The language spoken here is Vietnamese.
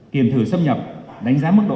kiểm thử xâm nhập đánh giá mức đội